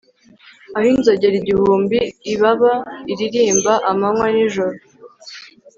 aho inzogera igihumbi ibaba iririmba amanywa n'ijoro